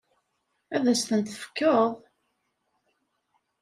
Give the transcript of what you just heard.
Ad as-tent-tefkeḍ?